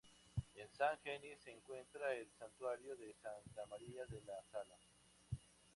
En Sant Genís se encuentra el santuario de Santa María de la Sala.